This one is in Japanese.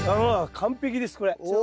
完璧ですこれ。